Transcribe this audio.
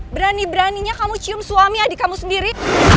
berani beraninya kamu cium suami adik kamu sendiri